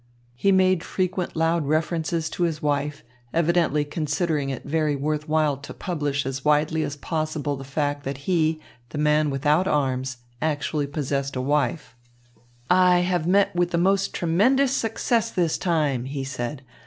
He made frequent loud references to his wife, evidently considering it very worth while to publish as widely as possible the fact that he, the man without arms, actually possessed a wife. "I have met with the most tremendous success this time," he said.